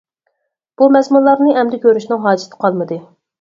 بۇ مەزمۇنلارنى ئەمدى كۆرۈشنىڭ ھاجىتى قالمىدى.